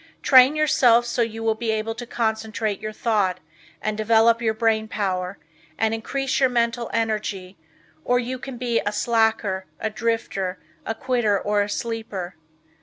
Train yourself so you will be able to centralize your thought and develop your brain power, and increase your mental energy, or you can be a slacker, a drifter, a quitter or a sleeper.